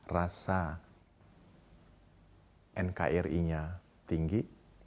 rasa nkri nya tinggi